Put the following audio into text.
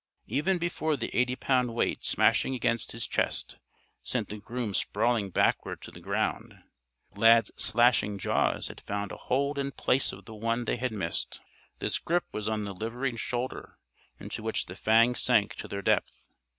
Even before the eighty pound weight, smashing against his chest, sent the groom sprawling backward to the ground, Lad's slashing jaws had found a hold in place of the one they had missed. This grip was on the liveried shoulder, into which the fangs sank to their depth.